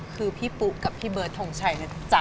คือพี่ปุ๊กกับพี่เบิร์ดทงชัยนะจ๊ะ